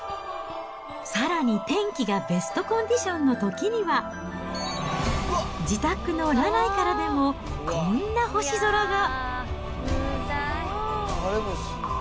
さらに天気がベストコンディションのときには、自宅のラナイからでもこんな星空が。